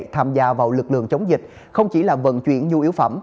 tham gia vào lực lượng chống dịch không chỉ là vận chuyển nhu yếu phẩm